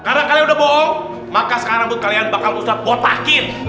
karena kalian udah bohong maka sekarang buat kalian bakal ustadz botakin